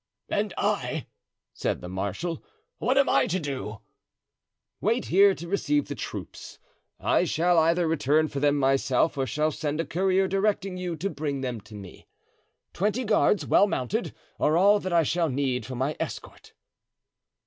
"And I," said the marshal, "what am I to do?" "Wait here to receive the troops. I shall either return for them myself or shall send a courier directing you to bring them to me. Twenty guards, well mounted, are all that I shall need for my escort."